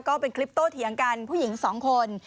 ก็เป็นคลิปโตเถียงกันผู้หญิงสองคน